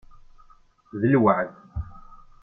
D lweεd.